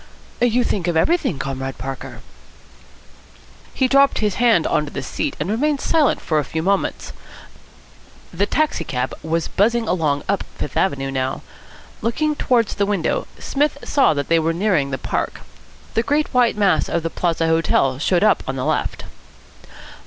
"You think of everything, Comrade Parker." He dropped his hand on to the seat, and remained silent for a few moments. The taxi cab was buzzing along up Fifth Avenue now. Looking towards the window, Psmith saw that they were nearing the park. The great white mass of the Plaza Hotel showed up on the left.